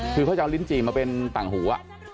คือเขาจะเอาลิ้นจี่มาเป็นต่างหู